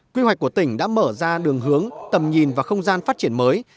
quy hoạch của tỉnh đã mở ra đường hướng tầm nhìn và không gian phát triển mới